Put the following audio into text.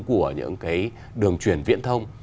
của những cái đường truyền viễn thông